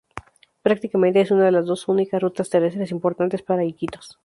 Prácticamente, es una de las dos únicas rutas terrestres importantes para Iquitos.